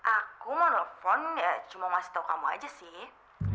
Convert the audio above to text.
aku mau telepon cuma mau kasih tau kamu aja sih